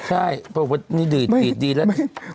ใช่เพราะว่าวันนี้ดีดดีดดีแล้ว